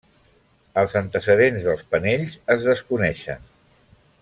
Els antecedents dels panells es desconeixen.